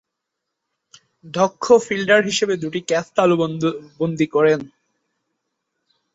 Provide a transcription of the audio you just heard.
দক্ষ ফিল্ডার হিসেবে দুইটি ক্যাচ তালুবন্দী করেন।